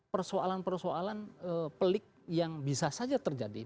persoalan persoalan pelik yang bisa saja terjadi